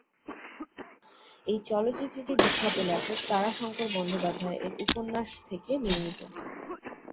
এই চলচ্চিত্রটি বিখ্যাত লেখক তারাশঙ্কর বন্দ্যোপাধ্যায় এর উপন্যাস থেকে নির্মিত।